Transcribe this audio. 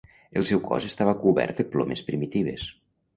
El seu cos estava cobert de plomes primitives.